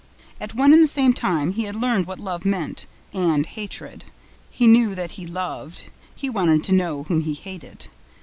At one and the same time, he had learned what love meant, and hatred. He knew that he loved. He wanted to know whom he hated.